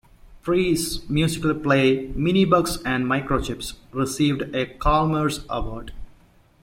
Priest's musical play "Minibugs and Microchips" received a Chalmers Award.